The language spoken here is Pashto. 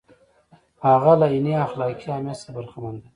هغه له عیني اخلاقي اهمیت څخه برخمن دی.